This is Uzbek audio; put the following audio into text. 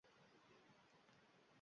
Chorlamoqda seni vahshiy soz!